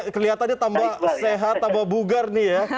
kelihatan dia tambah sehat tambah bugar nih ya